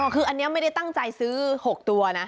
คืออันนี้ไม่ได้ตั้งใจซื้อ๖ตัวนะ